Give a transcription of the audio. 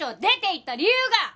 出ていった理由が！